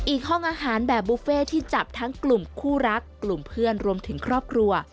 ห้องอาหารแบบบุฟเฟ่ที่จับทั้งกลุ่มคู่รักกลุ่มเพื่อนรวมถึงครอบครัว